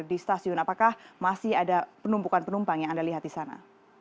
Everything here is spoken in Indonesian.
di stasiun apakah masih ada penumpukan penumpang yang anda lihat di sana